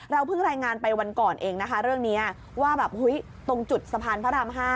เพิ่งรายงานไปวันก่อนเองนะคะเรื่องนี้ว่าแบบตรงจุดสะพานพระราม๕